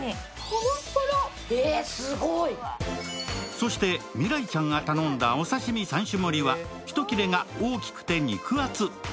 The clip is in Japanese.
そして、未来ちゃんが頼んだお刺身３種盛りは、１切れが大きくて肉厚。